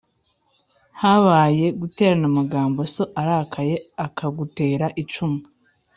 Habaye guterana amagambo so arakaye akagutera icumu